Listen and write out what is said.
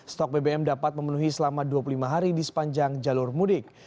stok bbm dapat memenuhi selama dua puluh lima hari di sepanjang jalur mudik